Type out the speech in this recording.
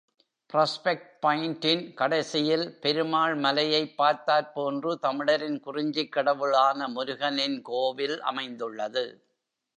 Prospect பாயிண்டின் கடைசியில் பெருமாள் மலையைப் பார்த்தாற்போன்று, தமிழரின் குறிஞ்சிக் கடவுளான முருகனின் கோவில் அமைந்துள்ளது.